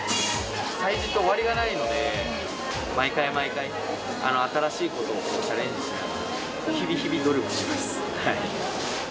催事って終わりがないので、毎回毎回ね、新しいことをチャレンジしながら、日々日々努力します。